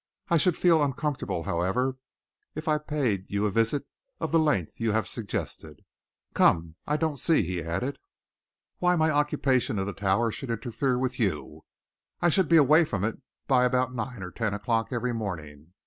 I should feel uncomfortable, however, if I paid you a visit of the length you have suggested. Come, I don't see," he added, "why my occupation of the Tower should interfere with you. I should be away from it by about nine or ten o'clock every morning.